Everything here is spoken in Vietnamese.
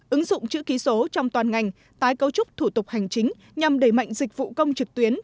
ứng dụng chữ ký số trong toàn ngành tái cấu trúc thủ tục hành chính nhằm đẩy mạnh dịch vụ công trực tuyến